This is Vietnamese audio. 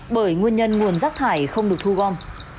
bởi nguyên nhân nguồn rác thải không được thu gom